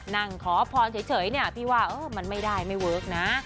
นั่งขอพรเฉยเนี่ยพี่ว่ามันไม่ได้ไม่เวิร์คนะ